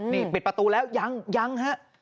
นี่ปิดประตูแล้วยังยังฮะ